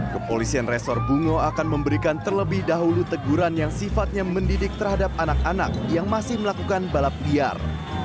kepolisian resor bungo akan memberikan terlebih dahulu teguran yang sifatnya mendidik terhadap anak anak yang masih melakukan balap liar